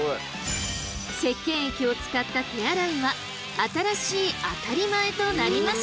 石けん液を使った手洗いは新しい当たり前となりました。